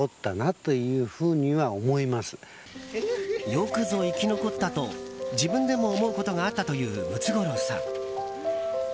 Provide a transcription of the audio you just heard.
よくぞ生き残ったと自分でも思うことがあったというムツゴロウさん。